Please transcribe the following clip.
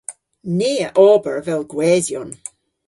Ni a ober avel gwesyon.